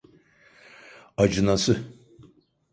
Acınası.